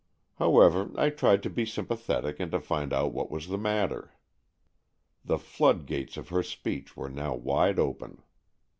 However, I tried to be sympa thetic and to find out what was the matter. The flood gates of her speech were now wide open.